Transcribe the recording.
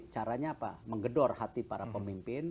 caranya apa menggedor hati para pemimpin